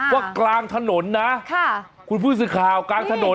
กลางถนนนะคุณผู้สื่อข่าวกลางถนน